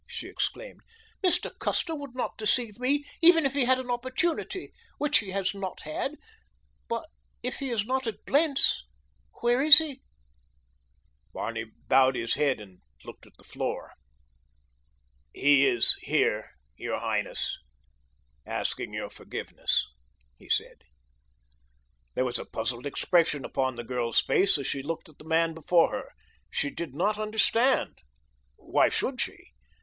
she exclaimed. "Mr. Custer would not deceive me even if he had an opportunity—which he has not had. But if he is not at Blentz, where is he?" Barney bowed his head and looked at the floor. "He is here, your highness, asking your forgiveness," he said. There was a puzzled expression upon the girl's face as she looked at the man before her. She did not understand. Why should she?